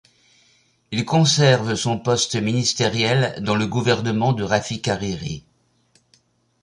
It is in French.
Il conserve son poste ministériel dans le gouvernement de Rafiq Hariri.